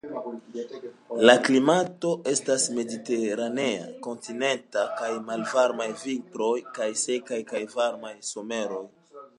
La klimato estas mediteranea kontinenta de malvarmaj vintroj kaj sekaj kaj varmaj someroj.